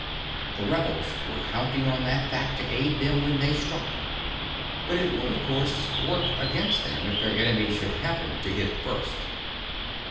The rebels were counting on that fact to aid them when they struck, but it would, of course, work against them if their enemy should happen to hit first.